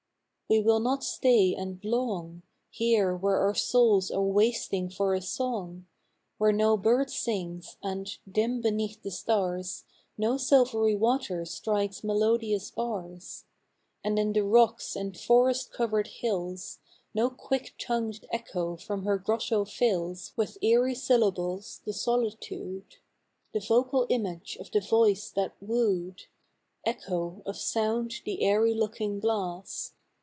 We will not stay and long, Here where our souls are wasting for a song; Where no bird sings; and, dim beneath the stars, No silvery water strikes melodious bars; And in the rocks and forest covered hills No quick tongued echo from her grotto fills With eery syllables the solitude The vocal image of the voice that wooed Echo, of sound the airy looking glass.